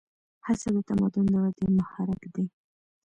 هڅه د تمدن د ودې محرک دی.